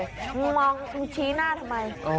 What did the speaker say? มึงมองมึงชี้หน้าทำไม